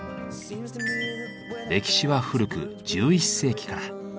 歴史は古く１１世紀から。